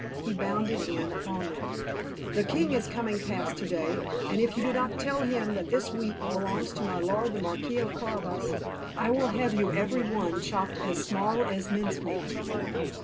He bounded in upon them: "The king is coming past to day, and if you do not tell him that this wheat belongs to my lord the Marquis of Carabas, I will have you every one chopped as small as mince meat."